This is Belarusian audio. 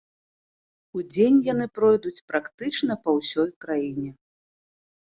Удзень яны пройдуць практычна па ўсёй краіне.